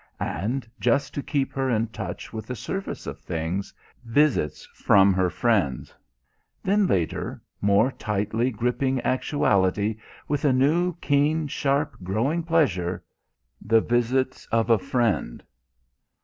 And, just to keep her in touch with the surface of things, visits from her friends. Then later, more tightly gripping actuality, with a new, keen, sharp, growing pleasure the visits of a friend.